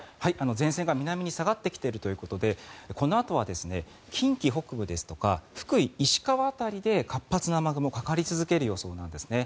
前線が南に下がってきているということでこのあとは近畿北部ですとか福井、石川辺りで活発な雨雲がかかり続ける予想なんです。